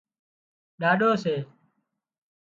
ڏاڏو سي